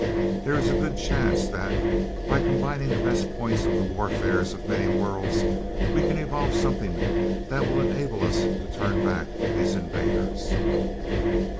There is a good chance that, by combining the best points of the warfares of many worlds, we can evolve something that will enable us to turn back these invaders."